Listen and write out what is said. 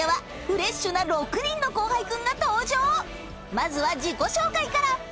［まずは自己紹介から］